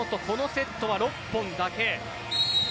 このセットは６本だけ。